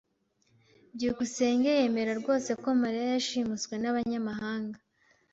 byukusenge yemera rwose ko Mariya yashimuswe nabanyamahanga?